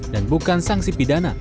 dan bukan sanksi pidana